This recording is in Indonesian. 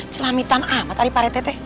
celamitan amat dari paretete